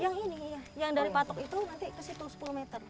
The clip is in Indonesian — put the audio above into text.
yang ini yang dari patok itu nanti ke situ sepuluh meter